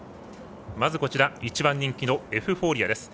まず１番人気のエフフォーリア。